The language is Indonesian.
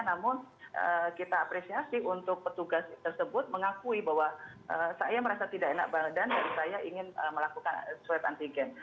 namun kita apresiasi untuk petugas tersebut mengakui bahwa saya merasa tidak enak badan dan saya ingin melakukan swab antigen